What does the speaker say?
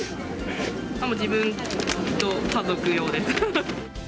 自分と家族用です。